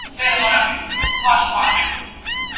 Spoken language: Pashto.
شافعي او حنبلي فقهاء په دې اړه کوم نظر لري؟